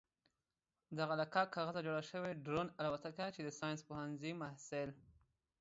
دغه له کاک کاغذه جوړه شوې ډرون الوتکه چې د ساينس پوهنځي محصل